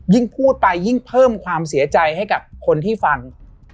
พูดไปยิ่งเพิ่มความเสียใจให้กับคนที่ฟัง